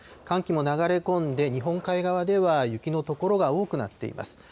寒気も流れ込んで、日本海側では雪の所が多くなっています。